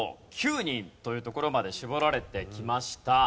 ９人というところまで絞られてきました。